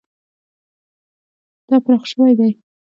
دا پراخ شوی دی.